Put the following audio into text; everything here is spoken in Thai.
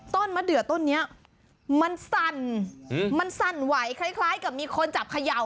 ต้นมะเดือต้นนี้มันสั่นมันสั่นไหวคล้ายกับมีคนจับเขย่า